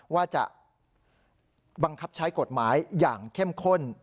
ว่าจะบังคับใช้กฎหมายอย่างเข้มข้น